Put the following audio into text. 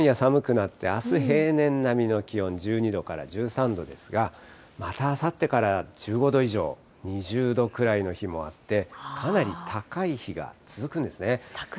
なって、あす、平年並みの気温、１２度から１３度ですが、またあさってから１５度以上、２０度くらいの日もあって、かなり高い日が続くんですね。